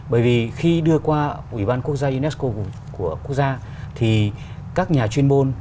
bởi vì khi đưa qua ủy ban quốc gia unesco của quốc gia thì các nhà chuyên môn